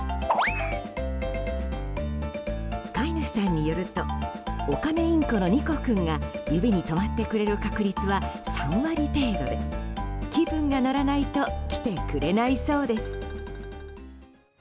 飼い主さんによるとオカメインコのニコくんが指にとまってくれる確率は３割程度で気分が乗らないと来てくれないそうです。